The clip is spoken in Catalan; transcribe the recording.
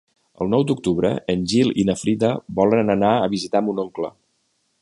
El nou d'octubre en Gil i na Frida volen anar a visitar mon oncle.